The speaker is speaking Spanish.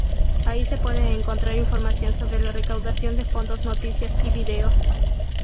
Allí se puede encontrar información sobre la recaudación de fondos, noticias y videos.